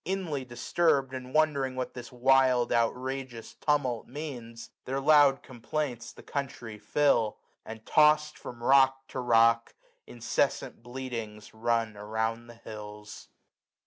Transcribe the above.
Inly disturbed, and wondering what this wild 390 Outrageous tumult means, their loud complaints The country fill ; and, toss*d from rock to rock. Incessant bleatings run around the hills.